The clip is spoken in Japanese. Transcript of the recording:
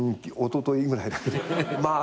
おとといぐらいだけど。